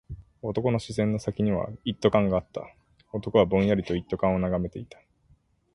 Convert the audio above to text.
男の視線の先には一斗缶があった。男はぼんやりと一斗缶を眺めていた。